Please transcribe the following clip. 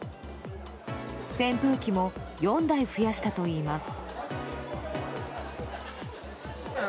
扇風機も４台増やしたといいます。